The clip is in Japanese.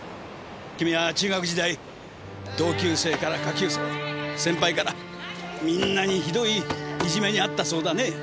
君は中学時代同級生から下級生先輩からみんなにひどいいじめに遭ったそうだね。